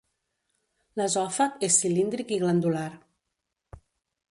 L'esòfag és cilíndric i glandular.